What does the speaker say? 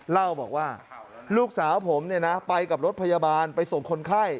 เล่าบอกว่าลูกสาวผมไปกับรถพยาบาลไปส่งคนไข้